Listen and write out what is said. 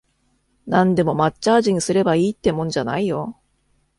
なんでも抹茶味にすればいいってもんじゃないよ